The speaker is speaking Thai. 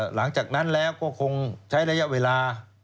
หลังจากนั้นแล้วก็คงใช้ระยะเวลา